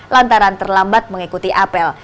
lantaran terlambat mengikuti apel